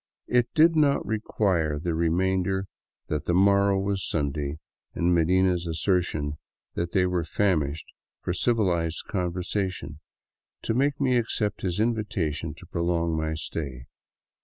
It did not require the reminder that the morrow was Sunday, and Medina's assertion that they were famished for civilized conversation, to make me accept his invitation to prolong my stay.